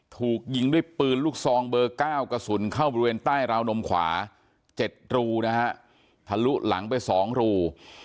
ถูกยิงด้วยปืนลูกซองเบอร์๙กระสุนเข้าบริเวณใต้ราวนมขวา๗รูนะฮะทะลุหลังไป๒รู